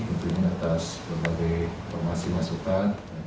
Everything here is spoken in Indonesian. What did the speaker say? untuk ini atas kembali informasi masyarakat